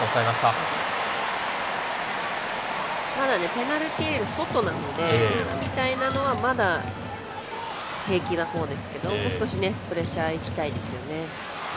ペナルティーエリアの外なので今みたいなのは、まだ平気なほうですけど、もう少しプレッシャーいきたいところですよね。